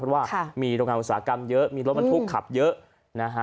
เพราะว่ามีโรงงานอุตสาหกรรมเยอะมีรถบรรทุกขับเยอะนะฮะ